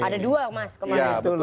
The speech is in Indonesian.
ada dua mas kemarin itu loh